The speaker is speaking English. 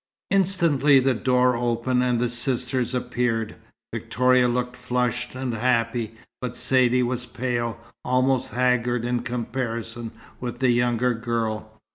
Instantly the door opened, and the sisters appeared. Victoria looked flushed and happy, but Saidee was pale, almost haggard in comparison with the younger girl.